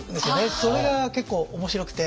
それが結構面白くて。